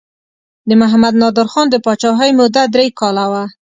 د محمد نادر خان د پاچاهۍ موده درې کاله وه.